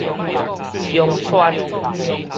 鄉村